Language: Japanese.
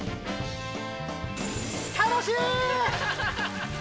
楽しい！